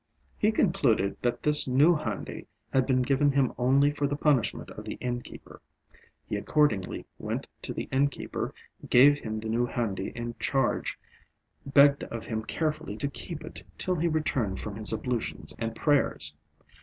He concluded that this new handi had been given him only for the punishment of the innkeeper. He accordingly went to the innkeeper, gave him the new handi in charge, begged of him carefully to keep it till he returned from his ablutions and prayers.